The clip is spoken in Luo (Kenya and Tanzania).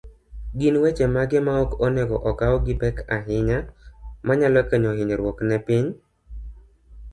Gin weche mage maok onego okaw gipek ahinya, manyalo kelo hinyruok ne piny?